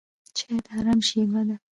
چای د آرام شېبه ده.